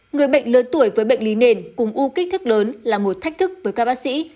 người bệnh lớn tuổi với bệnh lý nền cùng u kích thước lớn là một thách thức với các bác sĩ